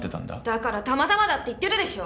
だからたまたまだって言ってるでしょ。